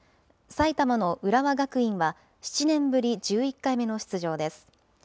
埼玉の浦和学院は７年ぶり１１回目の出場です。